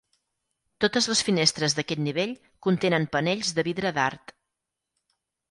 Totes les finestres d'aquest nivell contenen panells de vidre d'art.